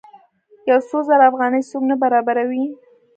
یو څو زره افغانۍ څوک نه برابروي.